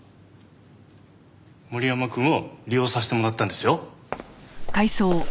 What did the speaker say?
森山くんを利用させてもらったんですよ。